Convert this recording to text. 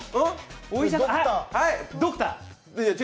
ドクター？